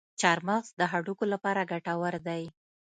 چارمغز د هډوکو لپاره ګټور دی.